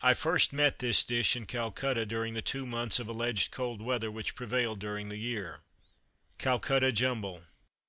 I first met this dish in Calcutta during the two months of (alleged) cold weather which prevail during the year. _Calcutta Jumble.